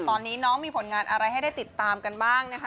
ตอนนี้น้องมีผลงานอะไรให้ได้ติดตามกันบ้างนะคะ